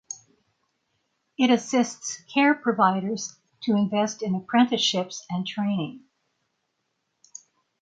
It assists care providers to invest in apprenticeships and training.